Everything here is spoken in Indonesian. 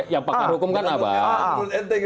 ya pakar hukum kan abang